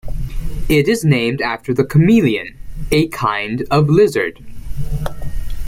It is named after the chameleon, a kind of lizard.